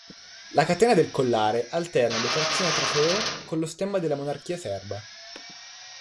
La catena del collare alterna decorazioni a trofeo con lo stemma della monarchia serba.